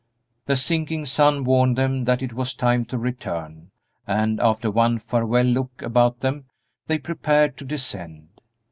The sinking sun warned them that it was time to return, and, after one farewell look about them, they prepared to descend.